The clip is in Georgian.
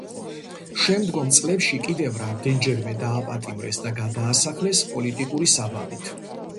შემდგომ წლებში კიდევ რამდენჯერმე დააპატიმრეს და გადაასახლეს პოლიტიკური საბაბით.